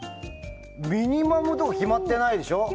ミニマムとか決まってないでしょ。